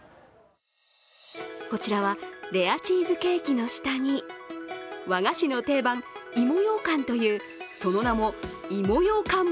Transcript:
こちらはレアチーズケーキの下に和菓子の定番・芋ようかんというその名も芋ようかん